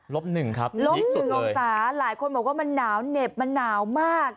หนึ่งครับลบ๑องศาหลายคนบอกว่ามันหนาวเหน็บมันหนาวมาก